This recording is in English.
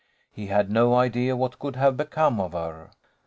He had no idea what could have become of her.